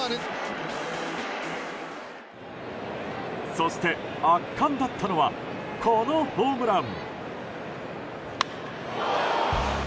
そして圧巻だったのはこのホームラン。